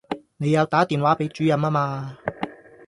你有打電話畀主任吖嗎